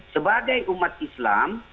sebagai umat islam